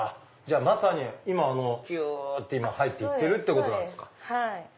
じゃあまさに今キュっと入って行ってるってことですか。